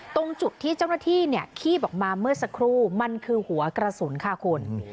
ตรงจุดที่เจ้าหน้าที่คีบออกมาเมื่อสักครู่มันคือหัวกระสุนค่ะคุณ